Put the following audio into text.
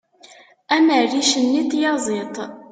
am rric-nni n tyaziḍt